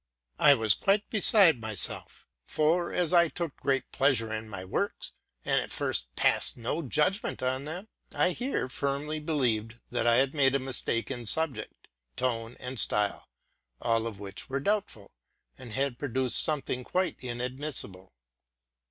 I was quite beside myself; for as I took 'creat pleasure in my works, but at first passed no judgment on them, I here firmly believed that I had made a mistake in subject, tone, and style, — all of which were doubtful, —and had produced something quite inadmissible.